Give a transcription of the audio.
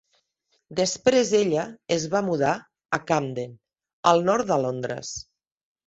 Després ella es va mudar a Camden, al nord de Londres.